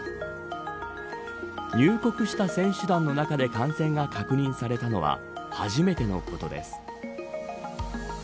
入国した選手団の中で感染が確認されたのは初めてのことです。